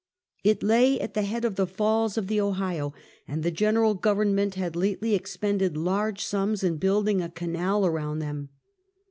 It lay at the head of the Falls of the Ohio, and the general government had lately expended large sums in building a canal around them.